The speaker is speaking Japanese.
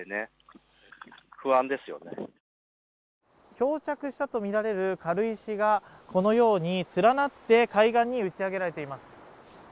漂着したと見られる軽石がこのように連なって海岸に打ち上げられています